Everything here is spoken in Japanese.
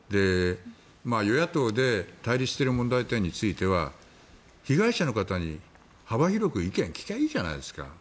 与野党で対立している問題点については被害者の方に幅広く意見を聞けばいいじゃないですか。